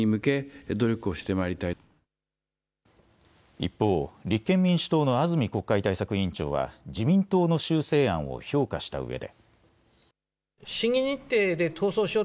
一方、立憲民主党の安住国会対策委員長は自民党の修正案を評価したうえで。